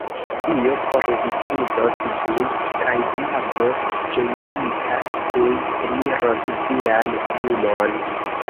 Dio forrifuzos vin, kaj diablo ĝojigita tuj eniros vian animon!